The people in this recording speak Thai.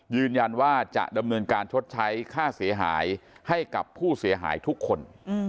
ยืนยันว่าจะดำเนินการชดใช้ค่าเสียหายให้กับผู้เสียหายทุกคน